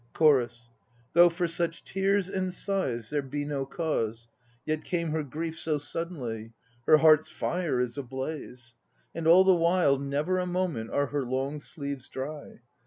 CHORUS. Though for such tears and sighs There be no cause, Yet came her grief so suddenly, Her heart's fire is ablaze; And all the while Never a moment are her long sleeves dry.